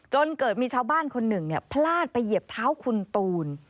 จนเกิดมีชาวบ้านคนหนึ่งพลาดไปเหยียบเท้าคุณตูน